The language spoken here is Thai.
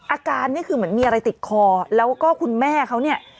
อาการนี่คือเหมือนมีอะไรติดคอแล้วก็คุณแม่เขาเนี่ย